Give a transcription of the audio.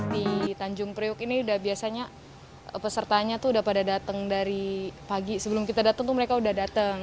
di tanjung priuk ini udah biasanya pesertanya tuh udah pada datang dari pagi sebelum kita datang tuh mereka udah datang